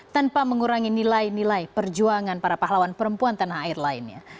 tanpa mengurangi nilai nilai perjuangan para pahlawan perempuan tanah air lainnya